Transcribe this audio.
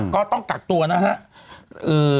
ก็ต้องกักตัวนะครับ